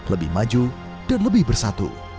lebih maju dan lebih bersatu